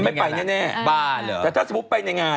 ไปในงานรับปริญญา